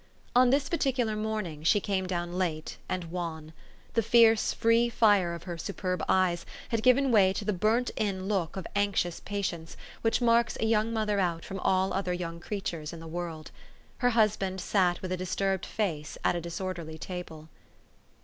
On this particular morning she came down late and wan. The fierce, free fire of her superb eyes had given way to the burnt in look of anxious pa tience, which marks a 3'oung mother out from all ..other young creatures in the world. Her husband sat with a disturbed face at a disorderly table.